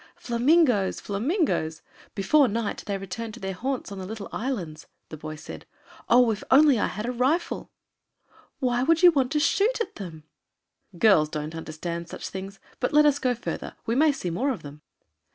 "Flamingoes! flamingoes! Before night they return to their haunts on the little islands," the boy said. "Oh, if I only had a rifle!" "Why should you want to shoot at them?" "Girls don't understand such things. But let us go farther; we may see more of them."